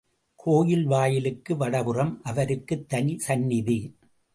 கோயில் வாயிலுக்கு வடபுறம், அவருக்குத் தனி சந்நிதி.